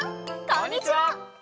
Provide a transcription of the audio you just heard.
こんにちは！